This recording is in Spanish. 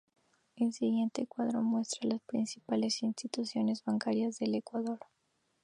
El siguiente cuadro muestra las principales instituciones bancarias de Ecuador.